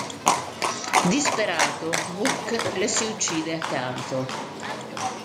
Disperato "Buck" le si uccide accanto.